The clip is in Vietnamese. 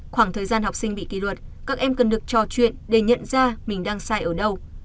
khoảng thời gian học sinh bị kỳ luật các em cần được trò chuyện để nhận ra mình đang sai ở đâu